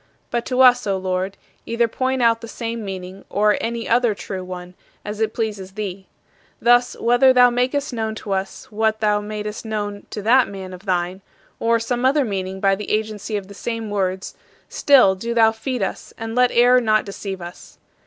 But to us, O Lord, either point out the same meaning or any other true one, as it pleases thee. Thus, whether thou makest known to us what thou madest known to that man of thine, or some other meaning by the agency of the same words, still do thou feed us and let error not deceive us.